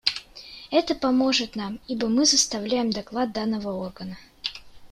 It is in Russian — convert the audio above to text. Это поможет нам, ибо мы составляем доклад данного органа.